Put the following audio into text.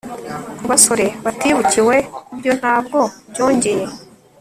Kubasore batibukiwe ibyo ntabwo byongeye